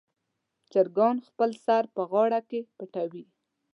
چرګان خپل سر په غاړه کې پټوي.